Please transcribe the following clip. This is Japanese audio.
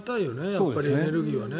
やっぱりエネルギーはね。